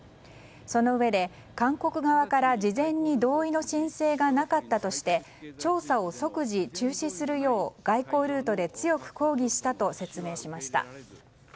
そのうえで韓国側から事前に同意の申請がなかったとして調査を即時中止するよう外交ルートで強く抗議したと説明しました。